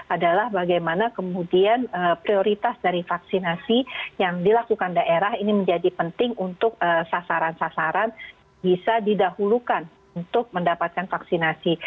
adalah bagaimana kemudian prioritas dari vaksinasi yang dilakukan daerah ini menjadi penting untuk sasaran sasaran bisa didahulukan untuk mendapatkan vaksinasi